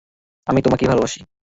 আমি তোমাকেই ভালোবাসি!